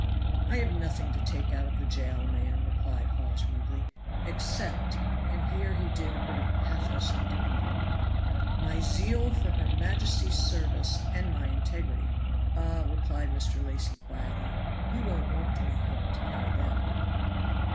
"I have nothing to take out of the jail, man," replied Hawes rudely, "except" and here he did a bit of pathos and dignity "my zeal for her majesty's service and my integrity." "Ah," replied Mr. Lacy quietly, "you won't want any help to carry them."